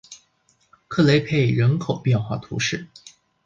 克雷佩人口变化图示